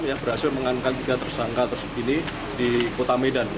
yang berhasil mengamankan tiga tersangka tersebut di kota medan